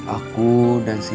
aku dan sinta